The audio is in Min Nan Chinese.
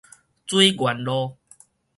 水源路